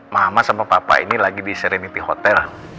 mama sama papa ini lagi di serenity hotel